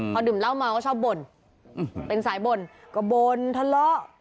พอดื่มเหล้าเมาก็ชอบบ่นเป็นสายบ่นก็บ่นทะเลาะ